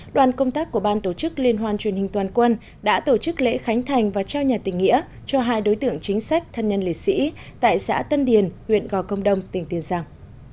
đoàn công tác của ban tổ chức liên hoan truyền hình toàn quân đã tổ chức lễ khánh thành và trao nhà tỉnh nghĩa cho hai đối tượng chính sách thân nhân liệt sĩ tại xã tân điền huyện gò công đông tỉnh tiền giang